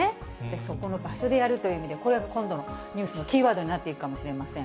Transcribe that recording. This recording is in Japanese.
そこの場所でやるという意味で、これは今度のニュースのキーワードになっていくかもしれません。